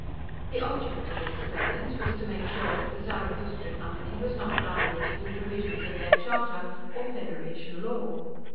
The object of this surveillance was to make sure that the Zarathustra Company was not violating the provisions of their charter or Federation law.